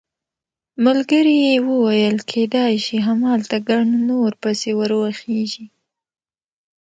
ملګري یې وویل کېدای شي همالته ګڼ نور پسې ور وخېژي.